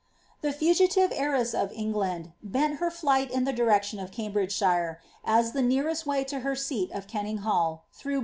fugitive heiress of England bent her flight in the direction of lge»hire, as the nearest way to her seat of Kenninghall, through